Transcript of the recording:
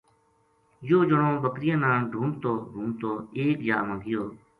یوجنو بکریاں نا ڈھونڈتو ڈھونڈتو ایک جا ما گیو